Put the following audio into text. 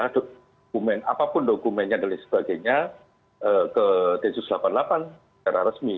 dokumen apapun dokumennya dan lain sebagainya ke densus delapan puluh delapan secara resmi